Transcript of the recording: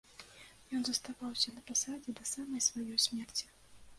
Ён заставаўся на пасадзе да самай сваёй смерці.